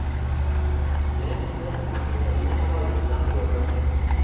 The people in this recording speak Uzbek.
Men o'z taxminimni amalda sinab ko'rdim